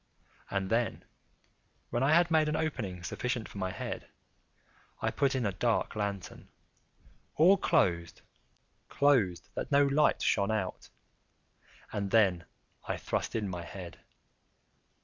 And then, when I had made an opening sufficient for my head, I put in a dark lantern, all closed, closed, that no light shone out, and then I thrust in my head.